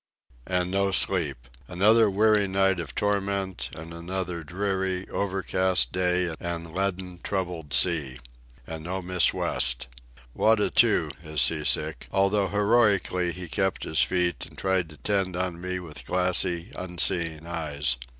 And no sleep! Another weary night of torment, and another dreary, overcast day and leaden, troubled sea. And no Miss West. Wada, too, is sea sick, although heroically he kept his feet and tried to tend on me with glassy, unseeing eyes.